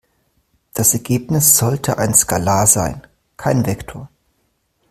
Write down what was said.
Das Ergebnis sollte ein Skalar sein, kein Vektor.